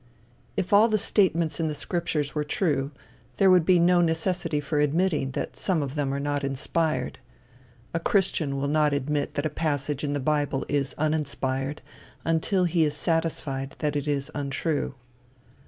If all the statements in the scriptures were true, there would be no necessity for admitting that some of them are not inspired. A christian will not admit that a passage in the bible is uninspired, until he is satisfied that it is untrue.